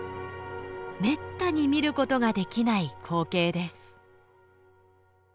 めったに見ることができない光景です。